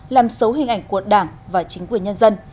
làm xấu hình ảnh của đảng và chính quyền nhân dân